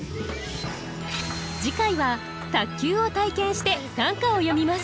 次回は卓球を体験して短歌を詠みます。